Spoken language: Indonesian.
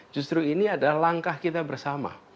justru ini adalah langkah kita bersama